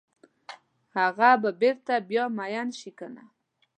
هغه به بیرته بیا میین شي کنه؟